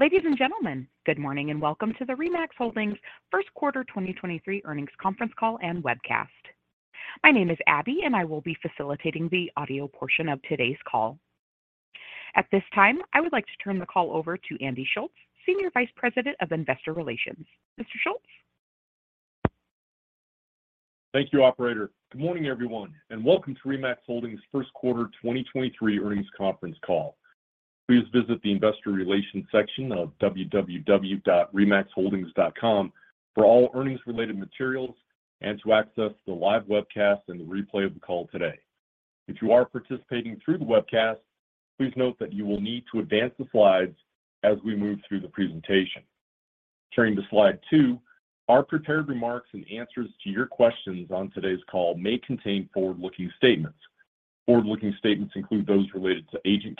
Ladies and gentlemen, good morning, and welcome to the RE/MAX Holdings First Quarter 2023 Earnings Conference Call and Webcast. My name is Abby, and I will be facilitating the audio portion of today's call. At this time, I would like to turn the call over to Andy Schultz, Senior Vice President of Investor Relations. Mr. Schulz? Thank you, operator. Good morning, everyone, and welcome to RE/MAX Holdings First Quarter 2023 Earnings Conference Call. Please visit the investor relations section of www.remaxholdings.com for all earnings related materials and to access the live webcast and the replay of the call today. If you are participating through the webcast, please note that you will need to advance the slides as we move through the presentation Turning to slide 2, our prepared remarks and answers to your questions on today's call may contain forward-looking statements. Forward-looking statements include those related to agent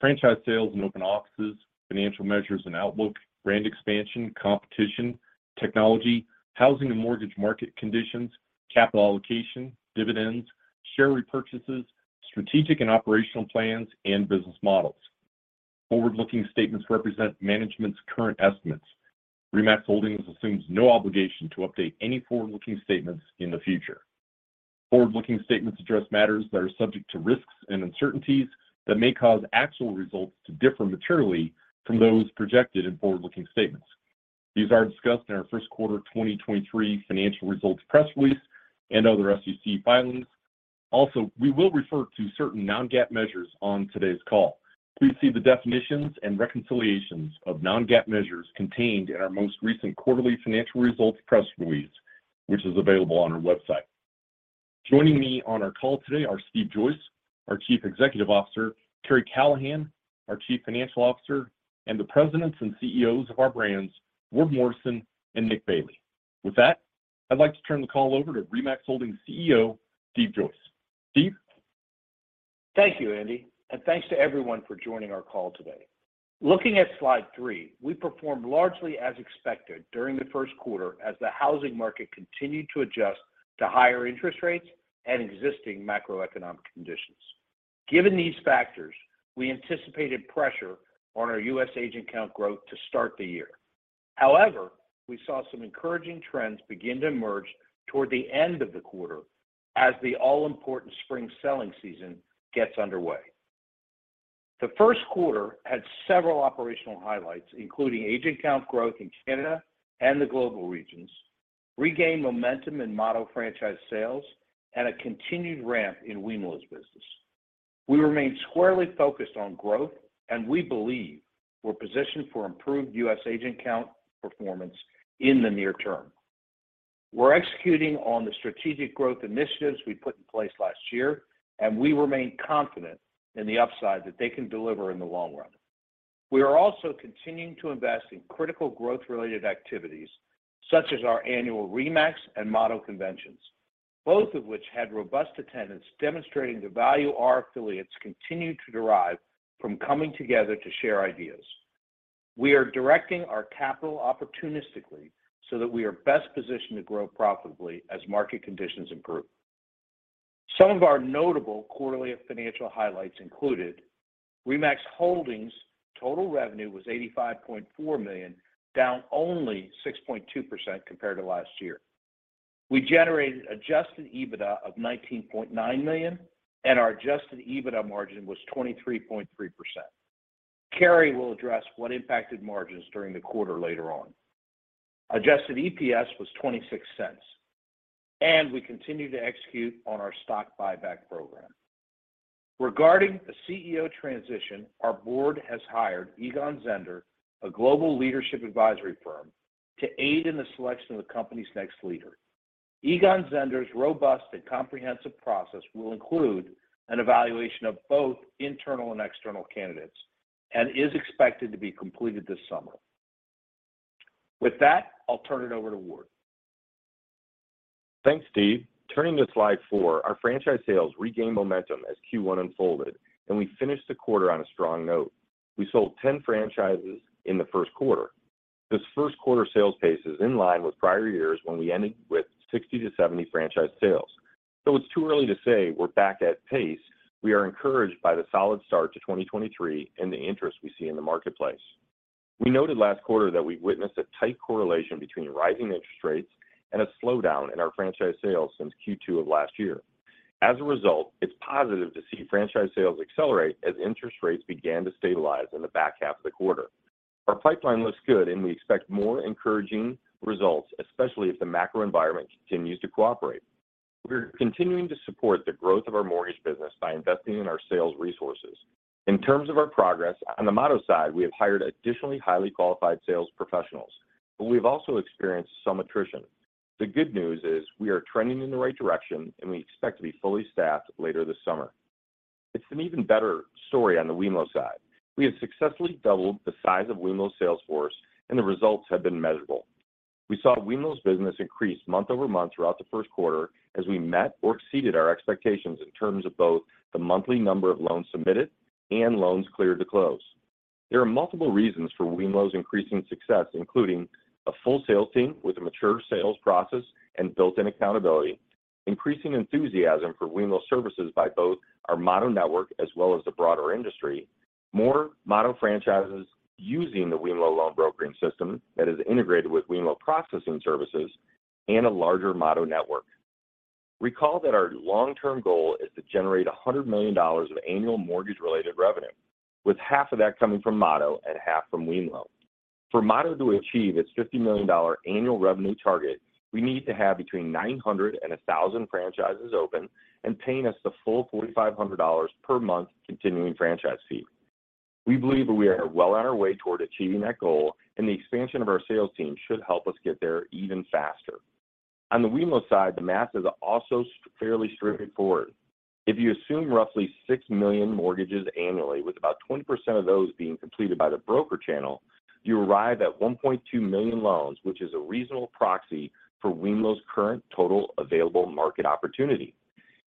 count, franchise sales and open offices, financial measures and outlook, brand expansion, competition, technology, housing and mortgage market conditions, capital allocation, dividends, share repurchases, strategic and operational plans, and business models. Forward-looking statements represent management's current estimates. RE/MAX Holdings assumes no obligation to update any forward-looking statements in the future. Forward-looking statements address matters that are subject to risks and uncertainties that may cause actual results to differ materially from those projected in forward-looking statements. These are discussed in our first quarter 2023 financial results press release and other SEC filings. Also, we will refer to certain non-GAAP measures on today's call. Please see the definitions and reconciliations of non-GAAP measures contained in our most recent quarterly financial results press release, which is available on our website. Joining me on our call today are Steve Joyce, our Chief Executive Officer, Karri Callahan, our Chief Financial Officer, and the presidents and CEOs of our brands, Ward Morrison and Nick Bailey. With that, I'd like to turn the call over to RE/MAX Holdings CEO, Steve Joyce. Steve? Thank you, Andy. Thanks to everyone for joining our call today. Looking at slide 3, we performed largely as expected during the first quarter as the housing market continued to adjust to higher interest rates and existing macroeconomic conditions. Given these factors, we anticipated pressure on our U.S. agent count growth to start the year. We saw some encouraging trends begin to emerge toward the end of the quarter as the all-important spring selling season gets underway. The first quarter had several operational highlights, including agent count growth in Canada and the global regions, regained momentum in Motto franchise sales, and a continued ramp in wemlo's business. We remain squarely focused on growth. We believe we're positioned for improved U.S. agent count performance in the near term. We're executing on the strategic growth initiatives we put in place last year, and we remain confident in the upside that they can deliver in the long run. We are also continuing to invest in critical growth-related activities such as our annual RE/MAX and Motto conventions, both of which had robust attendance demonstrating the value our affiliates continue to derive from coming together to share ideas. We are directing our capital opportunistically so that we are best positioned to grow profitably as market conditions improve. Some of our notable quarterly financial highlights included RE/MAX Holdings total revenue was $85.4 million, down only 6.2% compared to last year. We generated adjusted EBITDA of $19.9 million. Our adjusted EBITDA margin was 23.3%. Karri will address what impacted margins during the quarter later on. Adjusted EPS was $0.26. We continue to execute on our stock buyback program. Regarding the CEO transition, our board has hired Egon Zehnder, a global leadership advisory firm, to aid in the selection of the company's next leader. Egon Zehnder's robust and comprehensive process will include an evaluation of both internal and external candidates and is expected to be completed this summer. With that, I'll turn it over to Ward. Thanks, Steve. Turning to slide 4, our franchise sales regained momentum as Q1 unfolded, and we finished the quarter on a strong note. We sold 10 franchises in the first quarter. This first quarter sales pace is in line with prior years when we ended with 60-70 franchise sales. Though it's too early to say we're back at pace, we are encouraged by the solid start to 2023 and the interest we see in the marketplace. We noted last quarter that we've witnessed a tight correlation between rising interest rates and a slowdown in our franchise sales since Q2 of last year. As a result, it's positive to see franchise sales accelerate as interest rates began to stabilize in the back half of the quarter. Our pipeline looks good, and we expect more encouraging results, especially if the macro environment continues to cooperate. We're continuing to support the growth of our mortgage business by investing in our sales resources. In terms of our progress, on the Motto side, we have hired additionally highly qualified sales professionals. We've also experienced some attrition. The good news is we are trending in the right direction. We expect to be fully staffed later this summer. It's an even better story on the wemlo side. We have successfully doubled the size of wemlo's sales force. The results have been measurable. We saw wemlo's business increase month-over-month throughout the first quarter as we met or exceeded our expectations in terms of both the monthly number of loans submitted and loans cleared to close. There are multiple reasons for wemlo's increasing success, including a full sales team with a mature sales process and built-in accountability. Increasing enthusiasm for wemlo services by both our Motto network as well as the broader industry, more Motto franchises using the wemlo loan brokering system that is integrated with wemlo processing services, and a larger Motto network. Recall that our long-term goal is to generate $100 million of annual mortgage-related revenue, with half of that coming from Motto and half from wemlo. For Motto to achieve its $50 million annual revenue target, we need to have between 900 and 1,000 franchises open and paying us the full $4,500 per month continuing franchise fee. We believe we are well on our way toward achieving that goal, and the expansion of our sales team should help us get there even faster. On the Wemlo side, the math is also fairly straightforward. If you assume roughly 6 million mortgages annually, with about 20% of those being completed by the broker channel, you arrive at 1.2 million loans, which is a reasonable proxy for Wemlo's current total available market opportunity.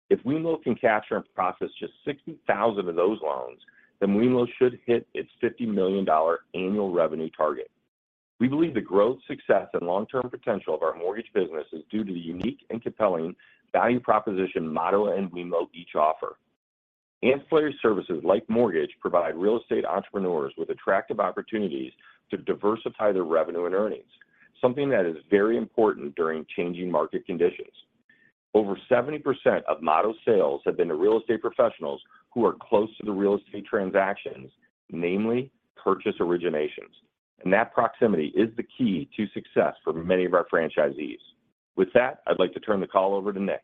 If Wemlo can capture and process just 60,000 of those loans, Wemlo should hit its $50 million annual revenue target. We believe the growth, success, and long-term potential of our mortgage business is due to the unique and compelling value proposition Motto and Wemlo each offer. Ancillary services like mortgage provide real estate entrepreneurs with attractive opportunities to diversify their revenue and earnings, something that is very important during changing market conditions. Over 70% of Motto's sales have been to real estate professionals who are close to the real estate transactions, namely purchase originations, and that proximity is the key to success for many of our franchisees. With that, I'd like to turn the call over to Nick.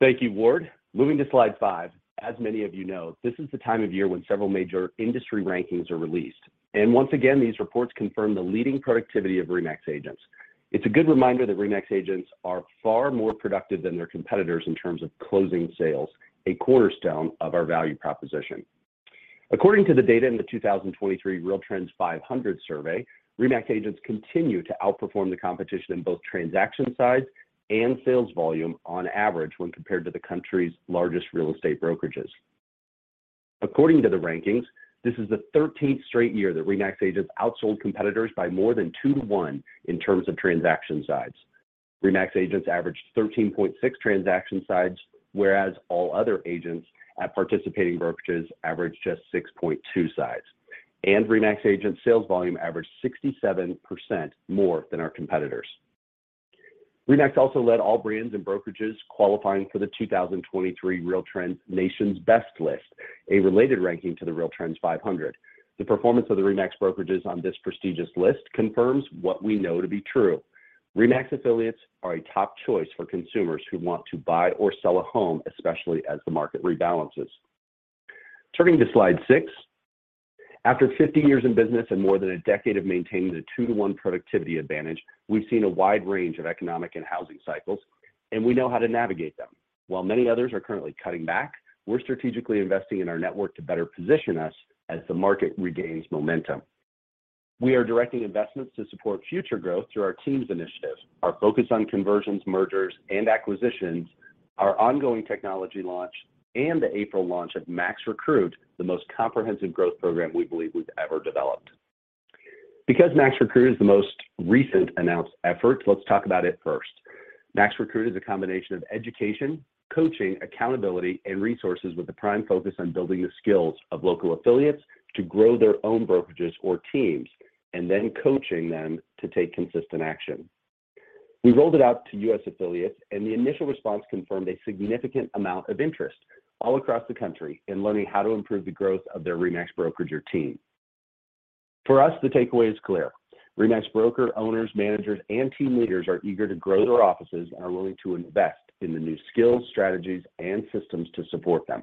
Thank you, Ward. Moving to slide 5, as many of you know, this is the time of year when several major industry rankings are released. Once again, these reports confirm the leading productivity of RE/MAX agents. It's a good reminder that RE/MAX agents are far more productive than their competitors in terms of closing sales, a cornerstone of our value proposition. According to the data in the 2023 RealTrends 500 survey, RE/MAX agents continue to outperform the competition in both transaction size and sales volume on average when compared to the country's largest real estate brokerages. According to the rankings, this is the 13th straight year that RE/MAX agents outsold competitors by more than 2 to 1 in terms of transaction size. RE/MAX agents averaged 13.6 transaction size, whereas all other agents at participating brokerages averaged just 6.2 size. RE/MAX agent sales volume averaged 67% more than our competitors. RE/MAX also led all brands and brokerages qualifying for the 2023 RealTrends Nation's Best list, a related ranking to the RealTrends 500. The performance of the RE/MAX brokerages on this prestigious list confirms what we know to be true. RE/MAX affiliates are a top choice for consumers who want to buy or sell a home, especially as the market rebalances. Turning to slide 6, after 50 years in business and more than a decade of maintaining the 2-to-1 productivity advantage, we've seen a wide range of economic and housing cycles. We know how to navigate them. While many others are currently cutting back, we're strategically investing in our network to better position us as the market regains momentum. We are directing investments to support future growth through our teams initiative, our focus on conversions, mergers, and acquisitions, our ongoing technology launch, and the April launch of MAX/Recruit, the most comprehensive growth program we believe we've ever developed. MAX/Recruit is the most recent announced effort, let's talk about it first. MAX/Recruit is a combination of education, coaching, accountability, and resources with a prime focus on building the skills of local affiliates to grow their own brokerages or teams, and then coaching them to take consistent action. We rolled it out to U.S. affiliates, and the initial response confirmed a significant amount of interest all across the country in learning how to improve the growth of their RE/MAX brokerage or team. For us, the takeaway is clear. RE/MAX broker, owners, managers, and team leaders are eager to grow their offices and are willing to invest in the new skills, strategies, and systems to support them.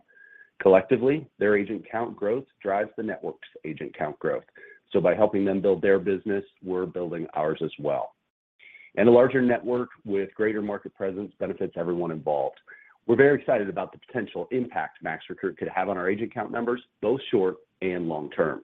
Collectively, their agent count growth drives the network's agent count growth. By helping them build their business, we're building ours as well. A larger network with greater market presence benefits everyone involved. We're very excited about the potential impact MAX/Recruit could have on our agent count numbers, both short and long term.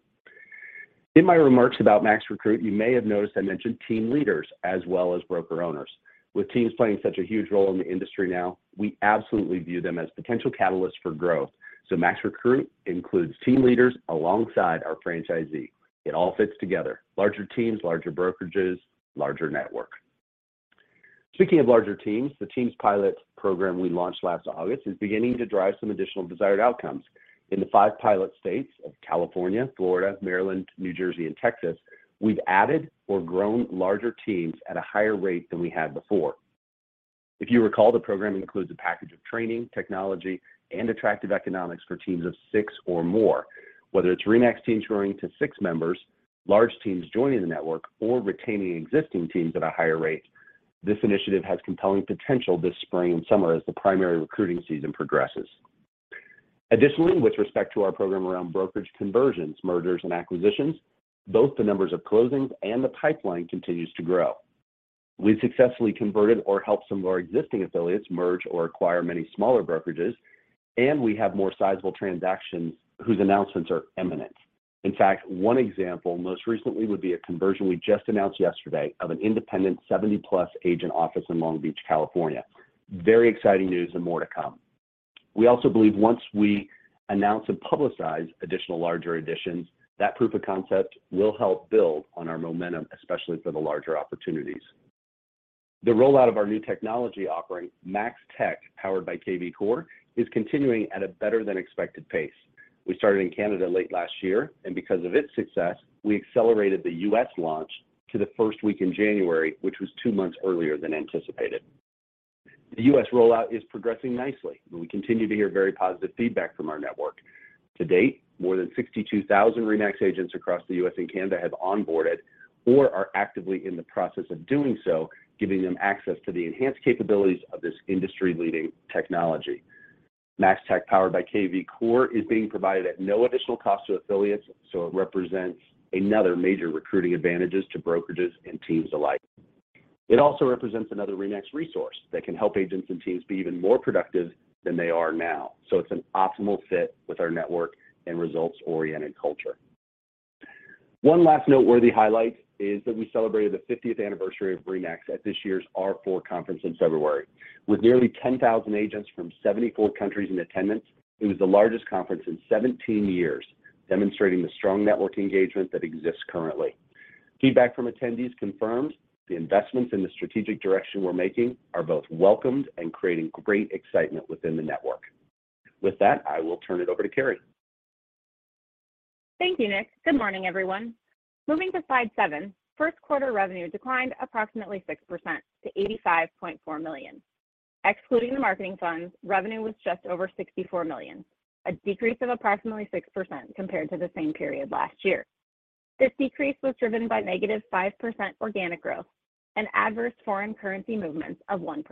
In my remarks about MAX/Recruit, you may have noticed I mentioned team leaders as well as broker owners. With teams playing such a huge role in the industry now, we absolutely view them as potential catalysts for growth. MAX/Recruit includes team leaders alongside our franchisee. It all fits together. Larger teams, larger brokerages, larger network. Speaking of larger teams, the teams pilot program we launched last August is beginning to drive some additional desired outcomes. In the five pilot states of California, Florida, Maryland, New Jersey, and Texas, we've added or grown larger teams at a higher rate than we had before. If you recall, the program includes a package of training, technology, and attractive economics for teams of six or more. Whether it's RE/MAX teams growing to six members, large teams joining the network, or retaining existing teams at a higher rate, this initiative has compelling potential this spring and summer as the primary recruiting season progresses. Additionally, with respect to our program around brokerage conversions, mergers, and acquisitions, both the numbers of closings and the pipeline continues to grow. We've successfully converted or helped some of our existing affiliates merge or acquire many smaller brokerages. We have more sizable transactions whose announcements are imminent. In fact, one example most recently would be a conversion we just announced yesterday of an independent 70-plus agent office in Long Beach, California. Very exciting news and more to come. We also believe once we announce and publicize additional larger additions, that proof of concept will help build on our momentum, especially for the larger opportunities. The rollout of our new technology offering, MAX/Tech, powered by kvCORE, is continuing at a better than expected pace. We started in Canada late last year. Because of its success, we accelerated the U.S. launch to the first week in January, which was 2 months earlier than anticipated. The U.S. rollout is progressing nicely. We continue to hear very positive feedback from our network. To date, more than 62,000 RE/MAX agents across the U.S. and Canada have onboarded or are actively in the process of doing so, giving them access to the enhanced capabilities of this industry-leading technology. MAX/Tech, powered by kvCORE, is being provided at no additional cost to affiliates, it represents another major recruiting advantages to brokerages and teams alike. It also represents another RE/MAX resource that can help agents and teams be even more productive than they are now. It's an optimal fit with our network and results-oriented culture. One last noteworthy highlight is that we celebrated the 50th anniversary of RE/MAX at this year's R4 conference in February. With nearly 10,000 agents from 74 countries in attendance, it was the largest conference in 17 years, demonstrating the strong network engagement that exists currently. Feedback from attendees confirms the investments in the strategic direction we're making are both welcomed and creating great excitement within the network. With that, I will turn it over to Karri. Thank you, Nick. Good morning, everyone. Moving to slide 7, first quarter revenue declined approximately 6% to $85.4 million. Excluding the marketing funds, revenue was just over $64 million, a decrease of approximately 6% compared to the same period last year. This decrease was driven by negative 5% organic growth and adverse foreign currency movements of 1%.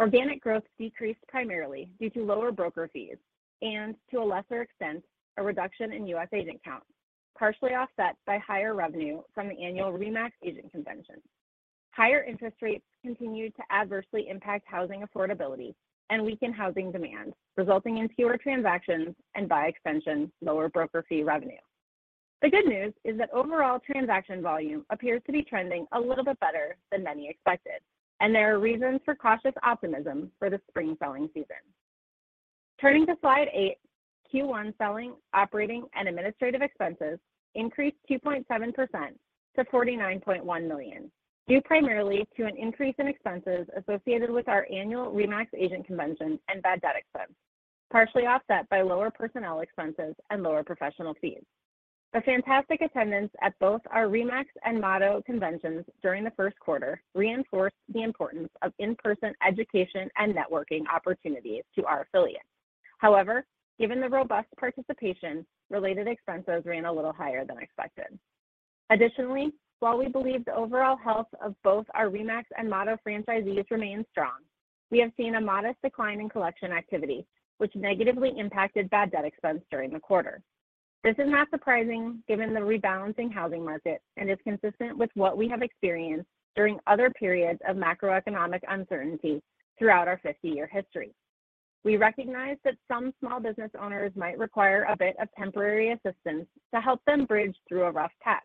Organic growth decreased primarily due to lower broker fees and to a lesser extent, a reduction in U.S. agent counts, partially offset by higher revenue from the annual RE/MAX agent convention. Higher interest rates continued to adversely impact housing affordability and weakened housing demand, resulting in fewer transactions and by extension, lower broker fee revenue. The good news is that overall transaction volume appears to be trending a little bit better than many expected. There are reasons for cautious optimism for the spring selling season. Turning to slide 8, Q1 Selling, Operating, and Administrative Expenses increased 2.7% to $49.1 million, due primarily to an increase in expenses associated with our annual RE/MAX agent convention and bad debt expense, partially offset by lower personnel expenses and lower professional fees. The fantastic attendance at both our RE/MAX and Motto conventions during the first quarter reinforced the importance of in-person education and networking opportunities to our affiliates. However, given the robust participation, related expenses ran a little higher than expected. Additionally, while we believe the overall health of both our RE/MAX and Motto franchisees remains strong, we have seen a modest decline in collection activity, which negatively impacted bad debt expense during the quarter. This is not surprising given the rebalancing housing market and is consistent with what we have experienced during other periods of macroeconomic uncertainty throughout our 50-year history. We recognize that some small business owners might require a bit of temporary assistance to help them bridge through a rough patch,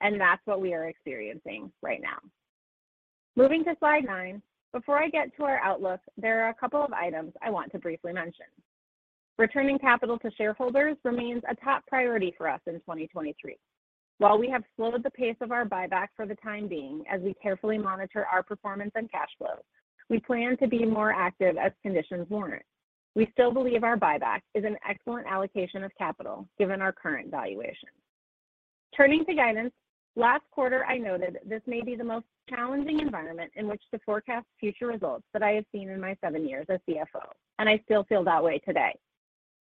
and that's what we are experiencing right now. Moving to slide 9, before I get to our outlook, there are a couple of items I want to briefly mention. Returning capital to shareholders remains a top priority for us in 2023. While we have slowed the pace of our buyback for the time being as we carefully monitor our performance and cash flows, we plan to be more active as conditions warrant. We still believe our buyback is an excellent allocation of capital given our current valuation. Turning to guidance, last quarter I noted this may be the most challenging environment in which to forecast future results that I have seen in my 7 years as CFO, and I still feel that way today.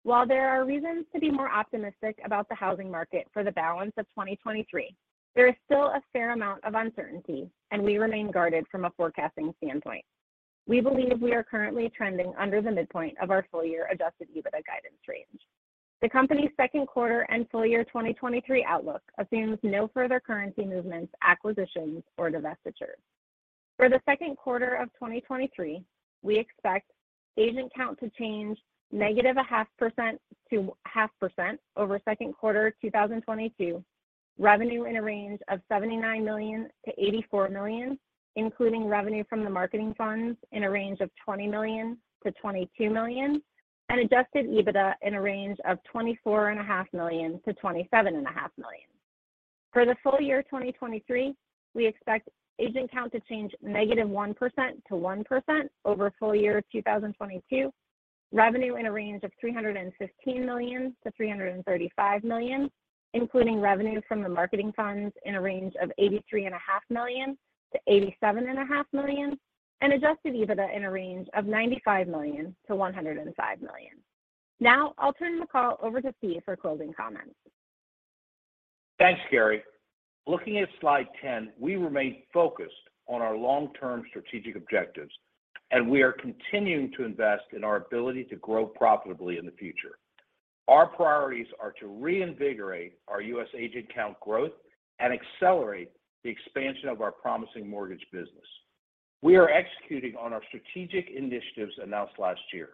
While there are reasons to be more optimistic about the housing market for the balance of 2023, there is still a fair amount of uncertainty. We remain guarded from a forecasting standpoint. We believe we are currently trending under the midpoint of our full year adjusted EBITDA guidance range. The company's second quarter and full year 2023 outlook assumes no further currency movements, acquisitions, or divestitures. For the second quarter of 2023, we expect agent count to change -0.5% to 0.5% over second quarter 2022, revenue in a range of $79 million-$84 million, including revenue from the marketing funds in a range of $20 million-$22 million, and adjusted EBITDA in a range of $24.5 million-$27.5 million. For the full year 2023, we expect agent count to change -1% to 1% over full year 2022, revenue in a range of $315 million-$335 million, including revenue from the marketing funds in a range of $83.5 million-$87.5 million, and adjusted EBITDA in a range of $95 million-$105 million. I'll turn the call over to Steve for closing comments. Thanks, Karri. Looking at slide 10, we remain focused on our long-term strategic objectives, and we are continuing to invest in our ability to grow profitably in the future. Our priorities are to reinvigorate our U.S. agent count growth and accelerate the expansion of our promising mortgage business. We are executing on our strategic initiatives announced last year.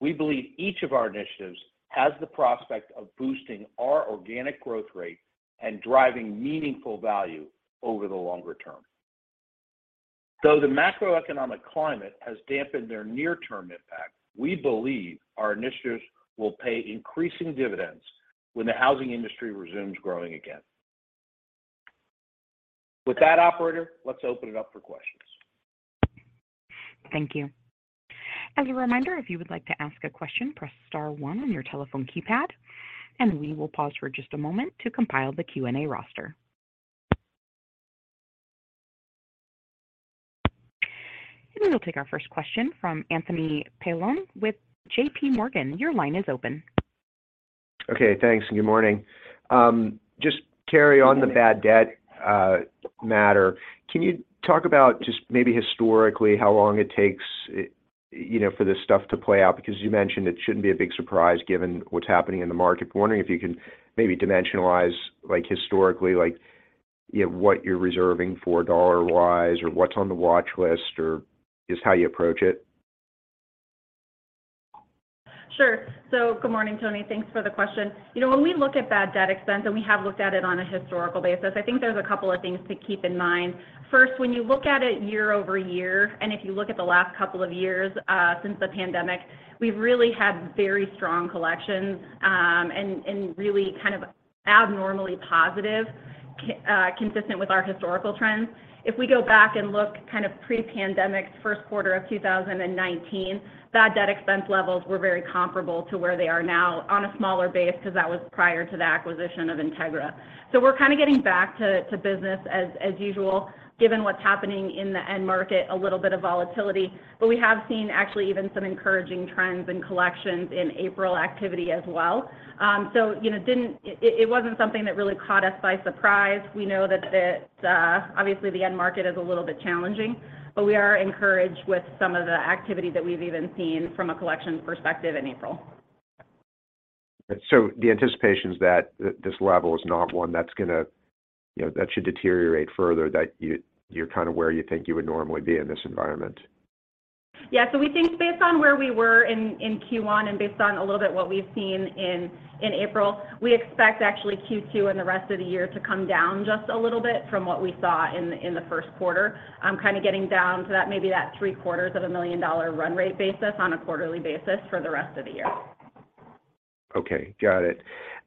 We believe each of our initiatives has the prospect of boosting our organic growth rate and driving meaningful value over the longer term. Though the macroeconomic climate has dampened their near-term impact, we believe our initiatives will pay increasing dividends when the housing industry resumes growing again. Operator, let's open it up for questions. Thank you. As a reminder, if you would like to ask a question, press star one on your telephone keypad, we will pause for just a moment to compile the Q&A roster. We will take our first question from Anthony Paolone with JPMorgan. Your line is open. Okay, thanks, and good morning. Just carry on the bad debt matter. Can you talk about just maybe historically how long it takes, you know, for this stuff to play out? You mentioned it shouldn't be a big surprise given what's happening in the market. Wondering if you can maybe dimensionalize, like, historically, like, you know, what you're reserving for dollar-wise or what's on the watchlist or just how you approach it. Sure. Good morning, Tony. Thanks for the question. You know, when we look at bad debt expense, and we have looked at it on a historical basis, I think there's a couple of things to keep in mind. First, when you look at it year-over-year, and if you look at the last couple of years, since the pandemic, we've really had very strong collections, and really kind of abnormally positive consistent with our historical trends. If we go back and look kind of pre-pandemic first quarter of 2019, bad debt expense levels were very comparable to where they are now on a smaller base because that was prior to the acquisition of Integra. We're kind of getting back to business as usual given what's happening in the end market, a little bit of volatility. We have seen actually even some encouraging trends and collections in April activity as well. You know, it wasn't something that really caught us by surprise. We know that the obviously the end market is a little bit challenging, but we are encouraged with some of the activity that we've even seen from a collection perspective in April. The anticipation is that this level is not one that's gonna, you know, that should deteriorate further, that you're kind of where you think you would normally be in this environment. Yeah. We think based on where we were in Q1 and based on a little bit what we've seen in April, we expect actually Q2 and the rest of the year to come down just a little bit from what we saw in the first quarter, kind of getting down to that maybe that three-quarters of a million dollar run rate basis on a quarterly basis for the rest of the year. Okay. Got it.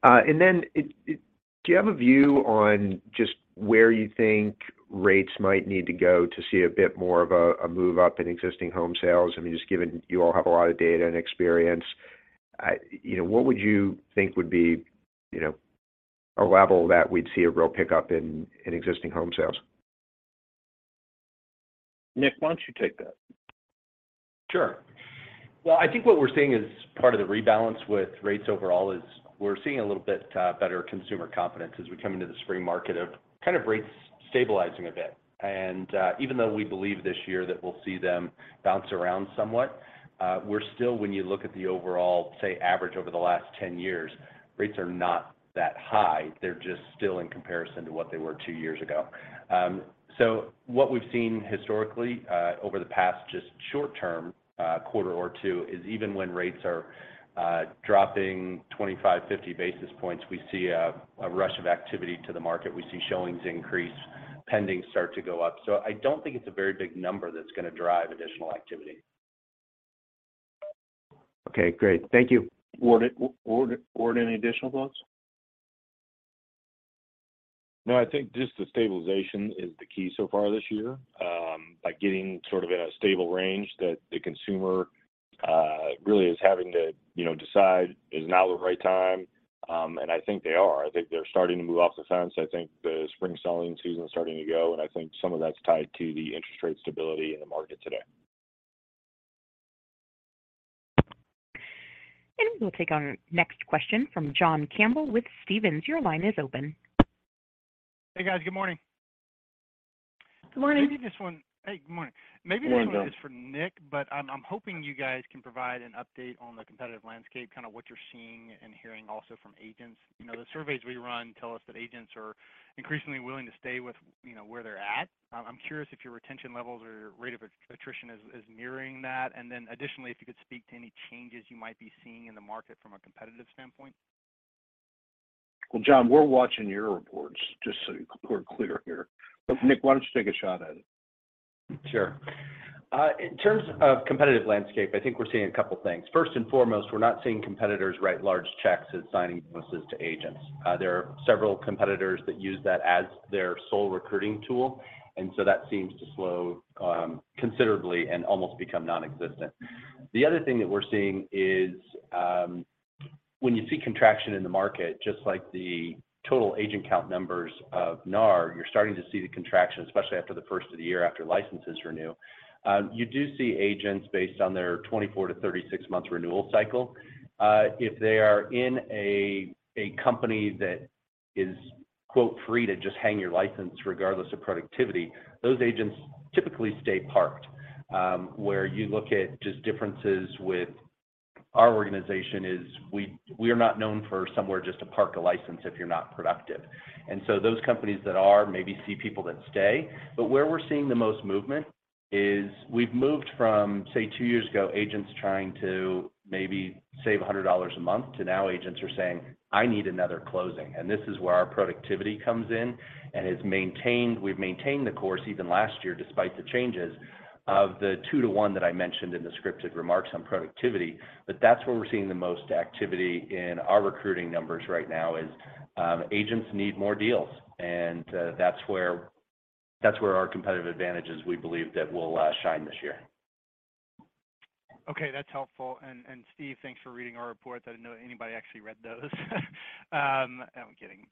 Then do you have a view on just where you think rates might need to go to see a bit more of a move up in existing home sales? I mean, just given you all have a lot of data and experience, you know, what would you think would be, you know, a level that we'd see a real pickup in existing home sales? Nick, why don't you take that? Sure. Well, I think what we're seeing as part of the rebalance with rates overall is we're seeing a little bit better consumer confidence as we come into the spring market of kind of rates stabilizing a bit. Even though we believe this year that we'll see them bounce around somewhat, we're still when you look at the overall, say, average over the last 10 years, rates are not that high. They're just still in comparison to what they were 2 years ago. What we've seen historically over the past just short term, quarter or 2 is even when rates are dropping 25, 50 basis points, we see a rush of activity to the market. We see showings increase, pendings start to go up. I don't think it's a very big number that's gonna drive additional activity. Okay. Great. Thank you. Ward, any additional thoughts? No. I think just the stabilization is the key so far this year, by getting sort of at a stable range that the consumer really is having to, you know, decide is now the right time. I think they are. I think they're starting to move off the fence. I think the spring selling season is starting to go, and I think some of that's tied to the interest rate stability in the market today. We'll take our next question from John Campbell with Stephens. Your line is open. Hey, guys. Good morning. Good morning. Maybe this one... Hey, good morning. Good morning, John. Maybe this one is for Nick, but I'm hoping you guys can provide an update on the competitive landscape, kind of what you're seeing and hearing also from agents. The surveys we run tell us that agents are increasingly willing to stay with, you know, where they're at. I'm curious if your retention levels or rate of attrition is mirroring that. Additionally, if you could speak to any changes you might be seeing in the market from a competitive standpoint. Well, John, we're watching your reports, just so we're clear here. Nick, why don't you take a shot at it? Sure. In terms of competitive landscape, I think we're seeing a couple of things. First and foremost, we're not seeing competitors write large checks as signing bonuses to agents. There are several competitors that use that as their sole recruiting tool, and so that seems to slow considerably and almost become nonexistent. The other thing that we're seeing is, when you see contraction in the market, just like the total agent count numbers of NAR, you're starting to see the contraction, especially after the first of the year after licenses renew. You do see agents based on their 24-36 month renewal cycle. If they are in a company that is, quote, "free to just hang your license regardless of productivity," those agents typically stay parked. Where you look at just differences with our organization is we are not known for somewhere just to park a license if you're not productive. Those companies that are maybe see people that stay. Where we're seeing the most movement is we've moved from, say, two years ago, agents trying to maybe save $100 a month to now agents are saying, "I need another closing." This is where our productivity comes in and we've maintained the course even last year, despite the changes of the 2 to 1 that I mentioned in the scripted remarks on productivity. That's where we're seeing the most activity in our recruiting numbers right now is, agents need more deals. That's where, that's where our competitive advantage is, we believe, that we'll shine this year. Okay, that's helpful. Steve, thanks for reading our report. I didn't know anybody actually read those. I'm kidding.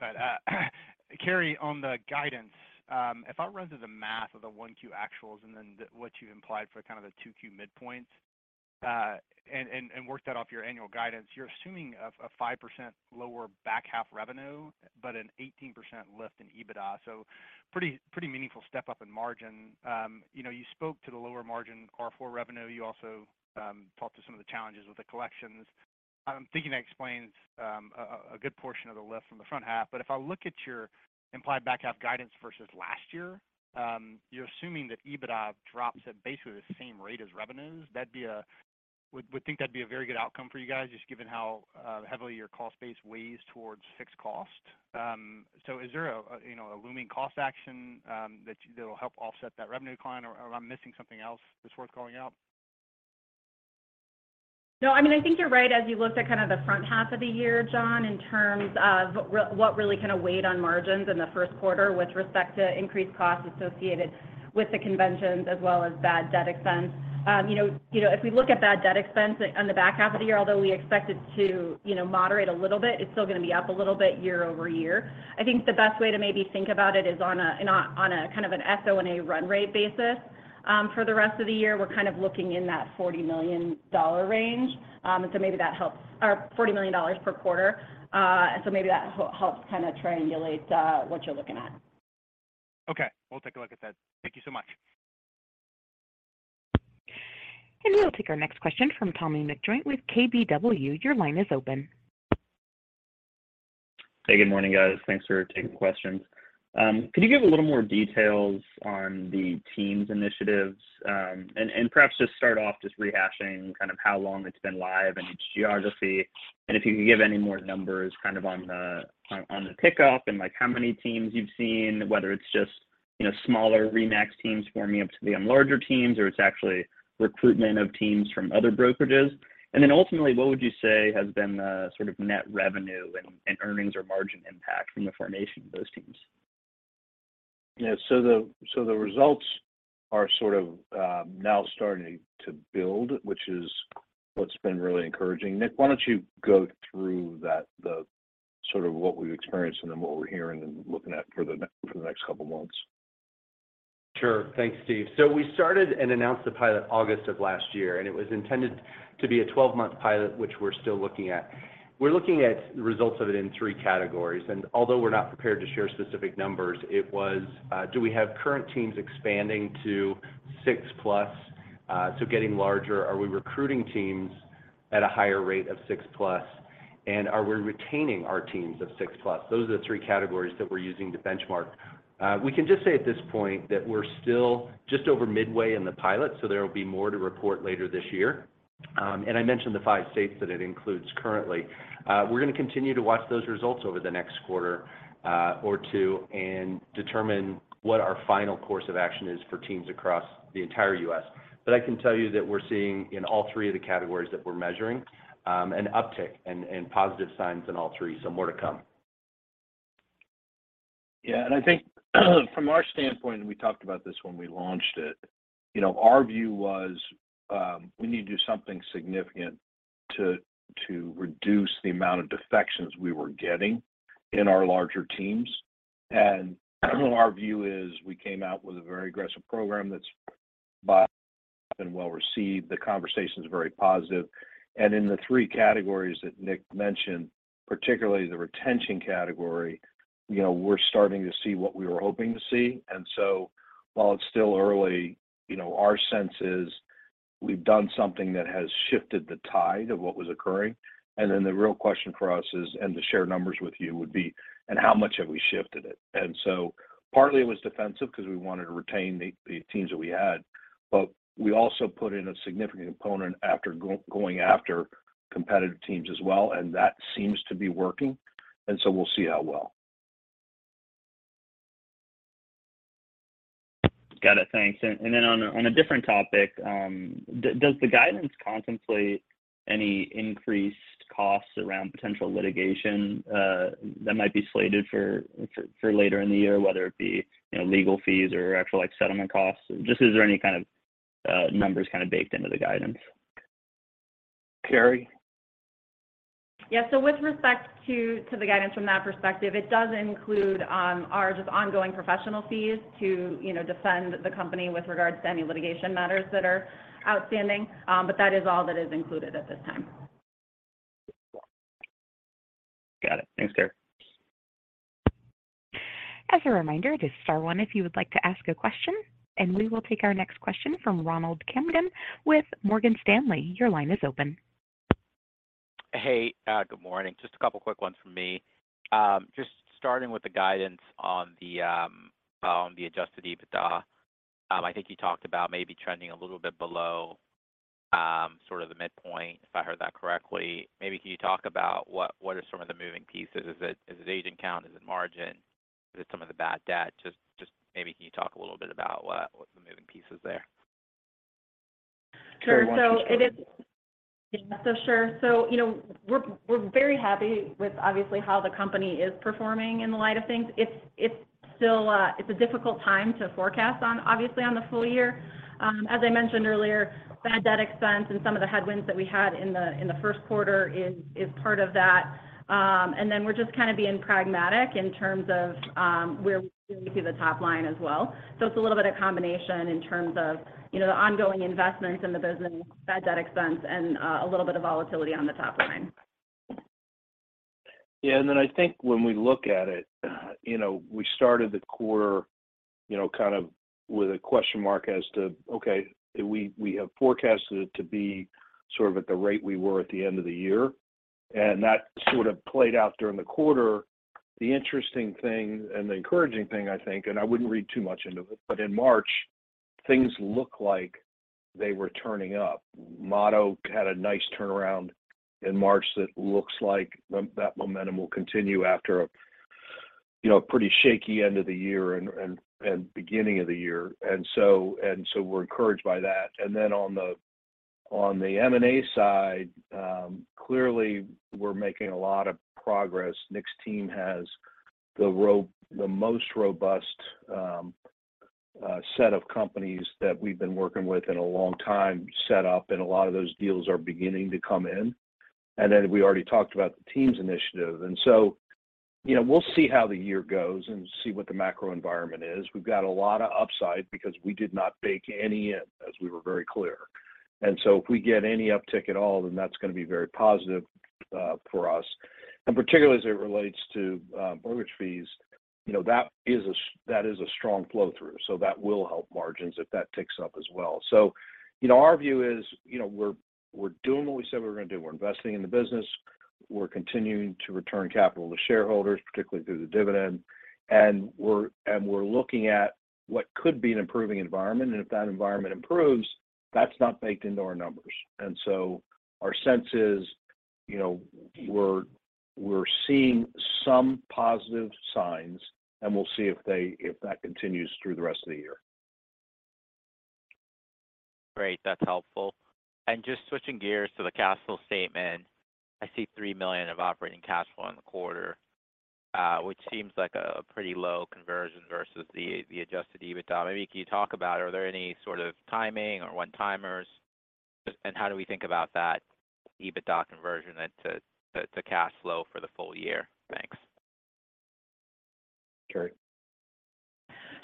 Karri, on the guidance, if I run through the math of the 1Q actuals and then what you implied for kind of the 2Q midpoints, and work that off your annual guidance, you're assuming a 5% lower back half revenue, but an 18% lift in EBITDA. Pretty meaningful step up in margin. You know, you spoke to the lower margin R4 revenue. You also talked to some of the challenges with the collections. I'm thinking that explains a good portion of the lift from the front half. If I look at your implied back half guidance versus last year, you're assuming that EBITDA drops at basically the same rate as revenues. That'd be a very good outcome for you guys, just given how heavily your cost base weighs towards fixed cost. Is there a, you know, a looming cost action that'll help offset that revenue decline? Or am I missing something else that's worth calling out? I mean, I think you're right, as you looked at kind of the front half of the year, John, in terms of what really kind of weighed on margins in the first quarter with respect to increased costs associated with the conventions as well as bad debt expense. you know, you know, if we look at bad debt expense on the back half of the year, although we expect it to, you know, moderate a little bit, it's still gonna be up a little bit year-over-year. I think the best way to maybe think about it is on a kind of an SO&A run rate basis for the rest of the year. We're kind of looking in that $40 million range. Maybe that helps. Or $40 million per quarter. Maybe that helps kind of triangulate, what you're looking at. Okay. We'll take a look at that. Thank you so much. We will take our next question from Tommy McJoynt with KBW. Your line is open. Hey, good morning, guys. Thanks for taking questions. Could you give a little more details on the teams initiatives, and perhaps just start off just rehashing kind of how long it's been live in each geography? If you could give any more numbers kind of on the pickup and, like, how many teams you've seen, whether it's just, you know, smaller RE/MAX teams forming up to the larger teams or it's actually recruitment of teams from other brokerages. Then ultimately, what would you say has been the sort of net revenue and earnings or margin impact from the formation of those teams? Yeah. The results are sort of now starting to build, which is what's been really encouraging. Nick, why don't you go through that, the sort of what we've experienced and then what we're hearing and looking at for the next couple months? Sure. Thanks, Steve. We started and announced the pilot August of last year, and it was intended to be a 12-month pilot, which we're still looking at. We're looking at results of it in three categories. Although we're not prepared to share specific numbers, it was, do we have current teams expanding to 6-plus, getting larger? Are we recruiting teams at a higher rate of 6-plus, and are we retaining our teams of 6-plus? Those are the three categories that we're using to benchmark. We can just say at this point that we're still just over midway in the pilot, there will be more to report later this year. I mentioned the five states that it includes currently. We're gonna continue to watch those results over the next quarter or two and determine what our final course of action is for teams across the entire U.S. I can tell you that we're seeing in all three of the categories that we're measuring, an uptick and positive signs in all three. More to come. Yeah. I think from our standpoint, we talked about this when we launched it, you know, our view was, we need to do something significant to reduce the amount of defections we were getting in our larger teams. Our view is we came out with a very aggressive program that's been well-received. The conversation's very positive. In the three categories that Nick mentioned, particularly the retention category, you know, we're starting to see what we were hoping to see. While it's still early, you know, our sense is we've done something that has shifted the tide of what was occurring. The real question for us is, to share numbers with you, would be, how much have we shifted it? Partly it was defensive 'cause we wanted to retain the teams that we had, but we also put in a significant component after going after competitive teams as well, and that seems to be working. We'll see how well. Got it. Thanks. Then on a different topic, does the guidance contemplate any increased costs around potential litigation that might be slated for later in the year, whether it be, you know, legal fees or actual, like, settlement costs? Just is there any kind of numbers kind of baked into the guidance? Karri? Yeah. With respect to the guidance from that perspective, it does include our just ongoing professional fees to, you know, defend the company with regards to any litigation matters that are outstanding. That is all that is included at this time. Got it. Thanks, Karri. As a reminder, just star one if you would like to ask a question. We will take our next question from Ronald Kamdem with Morgan Stanley. Your line is open. Hey, good morning. Just a couple quick ones from me. Just starting with the guidance on the adjusted EBITDA. I think you talked about maybe trending a little bit below sort of the midpoint, if I heard that correctly. Maybe can you talk about what are some of the moving pieces? Is it agent count? Is it margin? Is it some of the bad debt? Just maybe can you talk a little bit about what the moving pieces there? Sure. Karri, why don't you start. Yeah. Sure. You know, we're very happy with obviously how the company is performing in the light of things. It's still a difficult time to forecast on, obviously, on the full year. As I mentioned earlier, bad debt expense and some of the headwinds that we had in the first quarter is part of that. Then we're just kind of being pragmatic in terms of where we see the top line as well. It's a little bit of combination in terms of, you know, the ongoing investments in the business, bad debt expense and a little bit of volatility on the top line. I think when we look at it, you know, we started the quarter, you know, kind of with a question mark as to, okay, we have forecasted it to be sort of at the rate we were at the end of the year, and that sort of played out during the quarter. The interesting thing and the encouraging thing, I think, and I wouldn't read too much into it, but in March things look like they were turning up. Motto had a nice turnaround in March that looks like that momentum will continue after a, you know, pretty shaky end of the year and beginning of the year. So we're encouraged by that. On the M&A side, clearly we're making a lot of progress. Nick's team has the most robust set of companies that we've been working with in a long time set up, and a lot of those deals are beginning to come in. Then we already talked about the teams initiative. So, you know, we'll see how the year goes and see what the macro environment is. We've got a lot of upside because we did not bake any in, as we were very clear. So if we get any uptick at all, then that's gonna be very positive for us. Particularly as it relates to mortgage fees, you know, that is a strong flow through, so that will help margins if that ticks up as well. You know, our view is, you know, we're doing what we said we were gonna do. We're investing in the business, we're continuing to return capital to shareholders, particularly through the dividend. We're looking at what could be an improving environment. If that environment improves, that's not baked into our numbers. Our sense is, you know, we're seeing some positive signs, and we'll see if that continues through the rest of the year. Great. That's helpful. Just switching gears to the cash flow statement. I see $3 million of operating cash flow in the quarter, which seems like a pretty low conversion versus the adjusted EBITDA. Maybe can you talk about, are there any sort of timing or one-timers? And how do we think about that EBITDA conversion to cash flow for the full year? Thanks. Karrie.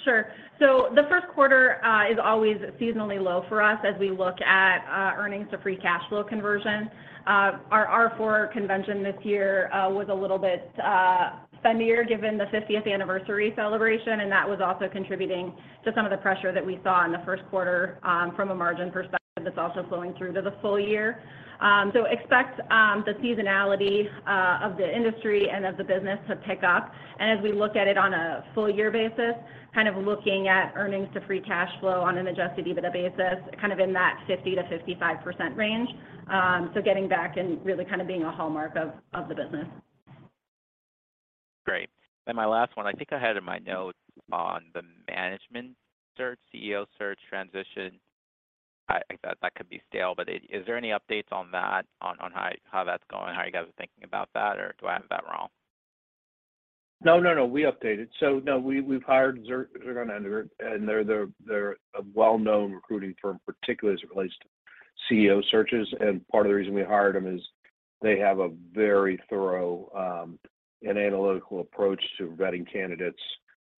Sure. The first quarter is always seasonally low for us as we look at earnings to free cash flow conversion. Our R4 convention this year was a little bit spendier given the 50th anniversary celebration, and that was also contributing to some of the pressure that we saw in the first quarter from a margin perspective that's also flowing through to the full year. Expect the seasonality of the industry and of the business to pick up. As we look at it on a full year basis, kind of looking at earnings to free cash flow on an adjusted EBITDA basis, kind of in that 50%-55% range. Getting back and really kind of being a hallmark of the business. Great. My last one, I think I had in my notes on the management search, CEO search transition. I thought that could be stale, but is there any updates on that, on how that's going? How are you guys are thinking about that? Or do I have that wrong? No, no, we updated. No, we've hired Zur-Zurnunder, and they're a well-known recruiting firm, particularly as it relates to CEO searches. Part of the reason we hired them is they have a very thorough and analytical approach to vetting candidates.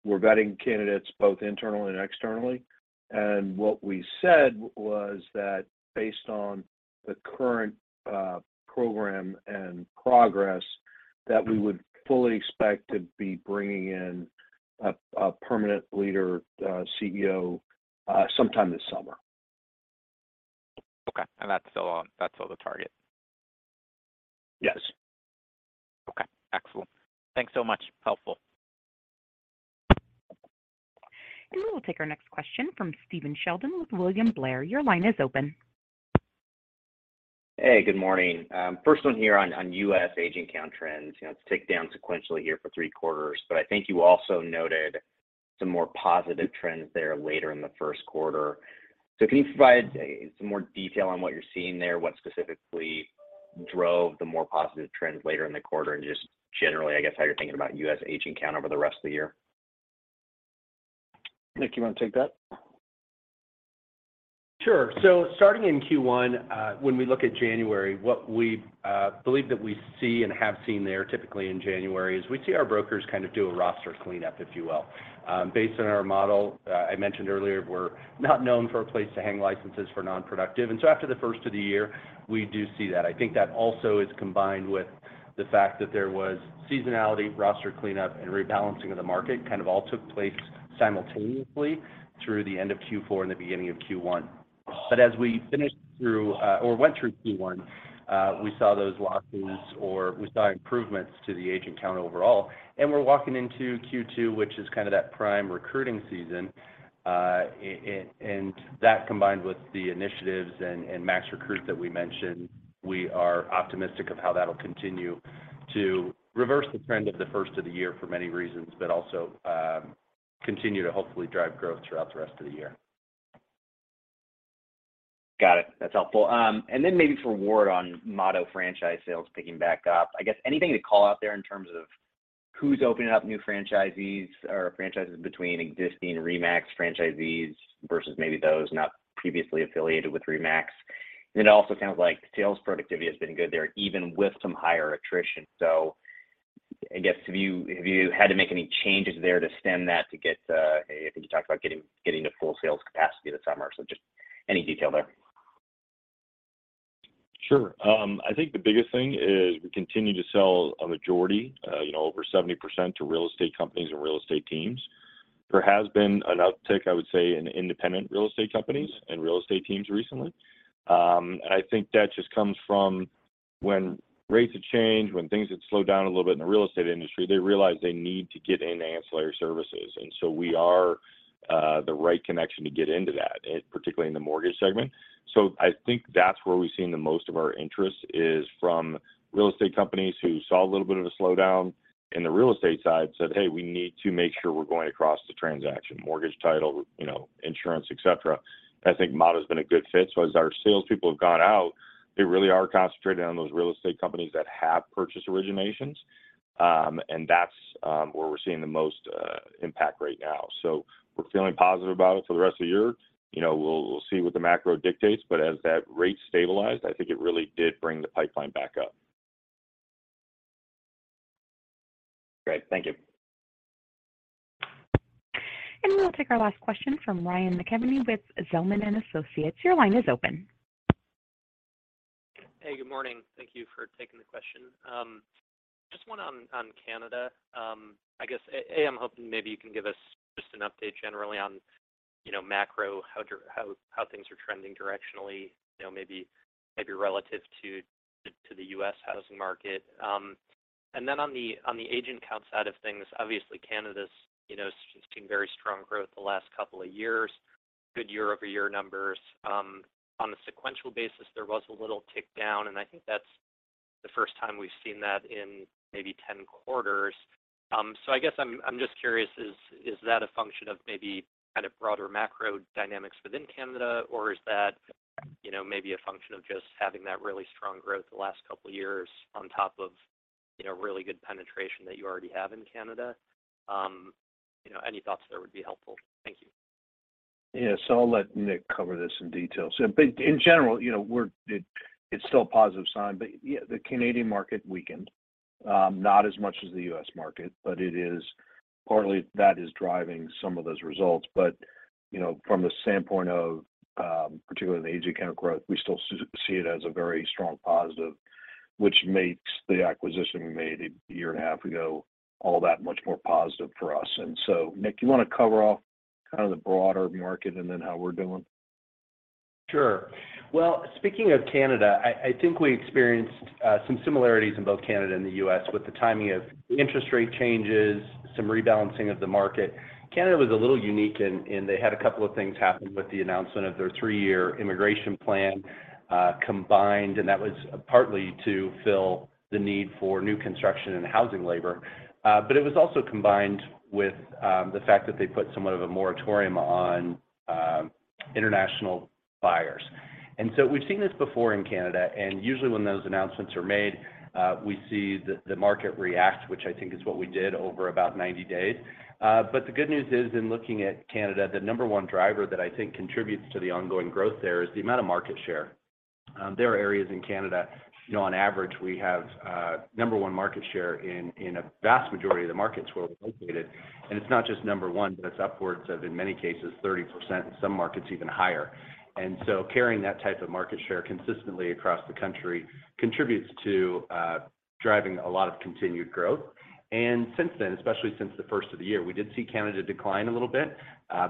We're vetting candidates both internally and externally. What we said was that based on the current program and progress, that we would fully expect to be bringing in a permanent leader, CEO, sometime this summer. Okay. That's still the target? Yes. Okay. Excellent. Thanks so much. Helpful. We will take our next question from Stephen Sheldon with William Blair. Your line is open. Hey, good morning. First one here on U.S. agent count trends. You know, it's ticked down sequentially here for three quarters, but I think you also noted some more positive trends there later in the first quarter. Can you provide some more detail on what you're seeing there? What specifically drove the more positive trends later in the quarter? Just generally, I guess, how you're thinking about U.S. agent count over the rest of the year. Nick, you wanna take that? Sure. Starting in Q1, when we look at January, what we believe that we see and have seen there typically in January is we see our brokers kind of do a roster cleanup, if you will. Based on our model, I mentioned earlier, we're not known for a place to hang licenses for non-productive. After the first of the year, we do see that. I think that also is combined with the fact that there was seasonality, roster cleanup, and rebalancing of the market kind of all took place simultaneously through the end of Q4 and the beginning of Q1. As we finished through, or went through Q1, we saw those losses or we saw improvements to the agent count overall. We're walking into Q2, which is kind of that prime recruiting season, and that combined with the initiatives and MAX/Recruit that we mentioned, we are optimistic of how that'll continue to reverse the trend of the first of the year for many reasons, but also, continue to hopefully drive growth throughout the rest of the year. Got it. That's helpful. Maybe for Ward on Motto franchise sales picking back up. I guess anything to call out there in terms of who's opening up new franchisees or franchises between existing RE/MAX franchisees versus maybe those not previously affiliated with RE/MAX? Also it sounds like sales productivity has been good there, even with some higher attrition. I guess have you had to make any changes there to stem that to get I think you talked about getting to full sales capacity this summer, so just any detail there. Sure. I think the biggest thing is we continue to sell a majority, you know, over 70% to real estate companies and real estate teams. There has been an uptick, I would say, in independent real estate companies and real estate teams recently. I think that just comes from when rates have changed, when things have slowed down a little bit in the real estate industry, they realize they need to get in ancillary services, and so we are the right connection to get into that, particularly in the mortgage segment. I think that's where we've seen the most of our interest is from real estate companies who saw a little bit of a slowdown in the real estate side, said, "Hey, we need to make sure we're going across the transaction, mortgage title, you know, insurance, et cetera." I think Motto's been a good fit. As our salespeople have gone out, they really are concentrated on those real estate companies that have purchase originations, and that's where we're seeing the most impact right now. We're feeling positive about it for the rest of the year. You know, we'll see what the macro dictates, but as that rate stabilized, I think it really did bring the pipeline back up. Great. Thank you. We'll take our last question from Ryan McKeveny with Zelman & Associates. Your line is open. Hey, good morning. Thank you for taking the question. Just one on Canada. I guess, and I'm hoping maybe you can give us just an update generally on, you know, macro, how things are trending directionally, you know, maybe relative to the U.S. housing market. Then on the, on the agent count side of things, obviously Canada's, you know, seen very strong growth the last couple of years, good year-over-year numbers. On a sequential basis, there was a little tick down, and I think that's the first time we've seen that in maybe 10 quarters. I guess I'm just curious, is that a function of maybe kind of broader macro dynamics within Canada, or is that, you know, maybe a function of just having that really strong growth the last couple years on top of, you know, really good penetration that you already have in Canada? You know, any thoughts there would be helpful. Thank you. Yeah. I'll let Nick cover this in detail. In general, you know, we're it's still a positive sign. Yeah, the Canadian market weakened, not as much as the U.S. market, but it is partly that is driving some of those results. You know, from the standpoint of particularly in the agent count growth, we still see it as a very strong positive, which makes the acquisition we made a year and a half ago all that much more positive for us. Nick, you wanna cover off kind of the broader market and then how we're doing? Sure. Well, speaking of Canada, I think we experienced some similarities in both Canada and the U.S. with the timing of interest rate changes, some rebalancing of the market. Canada was a little unique in they had a couple of things happen with the announcement of their 3-year immigration plan, combined, and that was partly to fill the need for new construction and housing labor. It was also combined with the fact that they put somewhat of a moratorium on international buyers. We've seen this before in Canada, and usually when those announcements are made, we see the market react, which I think is what we did over about 90 days. The good news is in looking at Canada, the number one driver that I think contributes to the ongoing growth there is the amount of market share. There are areas in Canada, you know, on average, we have number one market share in a vast majority of the markets where we're located. It's not just number one, but it's upwards of, in many cases, 30%, in some markets even higher. Carrying that type of market share consistently across the country contributes to driving a lot of continued growth. Since then, especially since the first of the year, we did see Canada decline a little bit,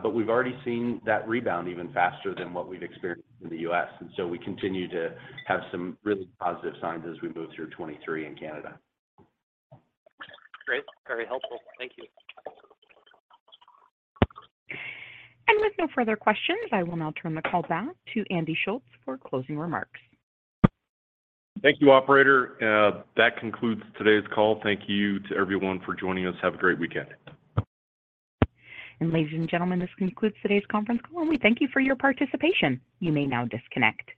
but we've already seen that rebound even faster than what we've experienced in the U.S. We continue to have some really positive signs as we move through 2023 in Canada. Great. Very helpful. Thank you. With no further questions, I will now turn the call back to Andy Schulz for closing remarks. Thank you, operator. That concludes today's call. Thank you to everyone for joining us. Have a great weekend. Ladies and gentlemen, this concludes today's conference call. We thank you for your participation. You may now disconnect.